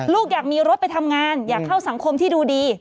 ลูกอยากมีรถไปทำงานอยากเข้าสังคมที่ดูดี